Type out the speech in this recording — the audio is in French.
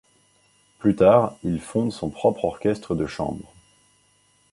Plus tard, il fonde son propre orchestre de chambre.